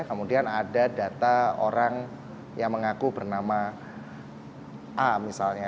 kemudian ada data orang yang mengaku bernama a misalnya